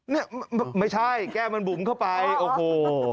เนี่ยไม่ใช่แก้วมันบุ๋มเข้าไปโอ้โห